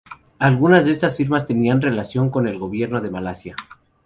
Algunas de estas firmas tenían relación con el Gobierno de Malasia.